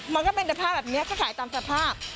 มันก็เป็นสภาพแบบนี้ก็ขายตามสภาพ